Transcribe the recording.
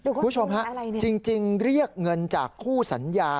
คุณผู้ชมฮะจริงเรียกเงินจากคู่สัญญา